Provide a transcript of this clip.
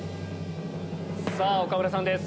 さぁ岡村さんです。